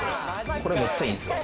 これめっちゃいいんですよ！